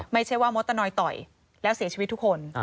ไม่ใช่ว่ามดตะนอยต่อยแล้วเสียชีวิตทุกคน